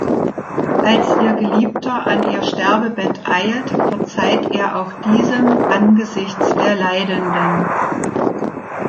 Als ihr Geliebter an ihr Sterbebett eilt, verzeiht er auch diesem angesichts der Leidenden.